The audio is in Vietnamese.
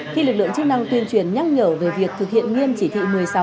khi lực lượng chức năng tuyên truyền nhắc nhở về việc thực hiện nghiêm chỉ thị một mươi sáu